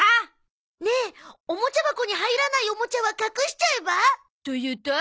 ねえおもちゃ箱に入らないおもちゃは隠しちゃえば？というと？